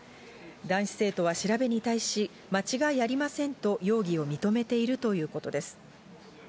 男子生徒は調べに対し、間違いありませんと容疑を認めているということです。